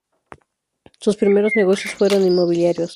Sus primeros negocios fueron inmobiliarios.